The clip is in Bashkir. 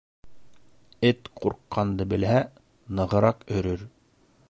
Эт ҡурҡҡанды белһә, нығыраҡ өрөр.